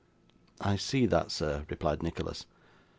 'I see that, sir,' replied Nicholas.